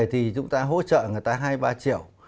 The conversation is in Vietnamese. thì chúng ta hỗ trợ người ta hai ba triệu